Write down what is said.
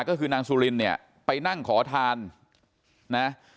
ก็คือนางสุรินเนี่ยไปนั่งขอทานนะ